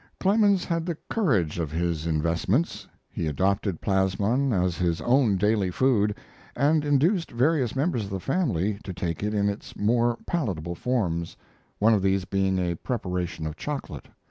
Clemens had the courage of his investments. He adopted plasmon as his own daily food, and induced various members of the family to take it in its more palatable forms, one of these being a preparation of chocolate.